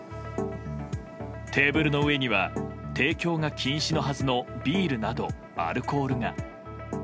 テーブルの上には提供が禁止のはずのビールなど、アルコールが。